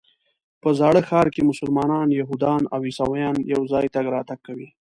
په زاړه ښار کې مسلمانان، یهودان او عیسویان یو ځای تګ راتګ کوي.